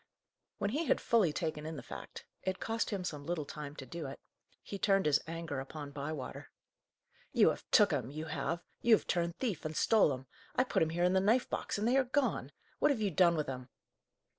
When he had fully taken in the fact it cost him some little time to do it he turned his anger upon Bywater. "You have took 'em, you have! you have turned thief, and stole 'em! I put 'em here in the knife box, and they are gone! What have you done with 'em?"